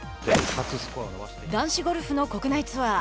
男子ゴルフの国内ツアー。